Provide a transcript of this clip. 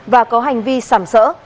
và có hành vi sảm sỡ